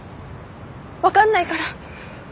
分かんないから。